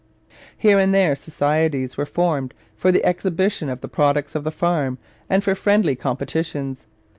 Here and there societies were formed for the exhibition of the products of the farm and for friendly competitions.